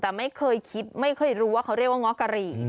แต่ไม่เคยคิดไม่เคยรู้ว่าเขาเรียกว่าง้อกะหรี่